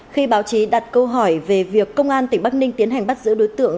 khi báo chí đặt câu hỏi về việc công an tỉnh bắc ninh tiến hành bắt giữ đối tượng